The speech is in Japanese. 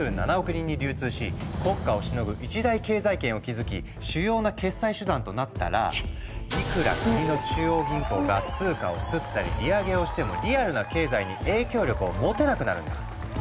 人に流通し国家をしのぐ一大経済圏を築き主要な決済手段となったらいくら国の中央銀行が通貨を刷ったり利上げをしてもリアルな経済に影響力を持てなくなるんだ。